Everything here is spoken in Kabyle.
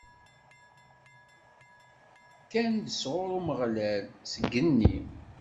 Kkan-d sɣur Umeɣlal, seg igenni.